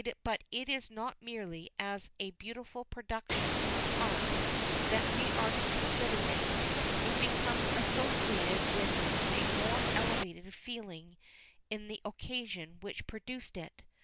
But it is not merely as a beautiful production of art that we are to consider it; it becomes associated with a more elevated feeling in the occasion which produced it.